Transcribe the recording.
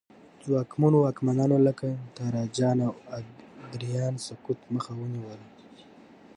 ځواکمنو واکمنانو لکه تراجان او ادریان سقوط مخه ونیوله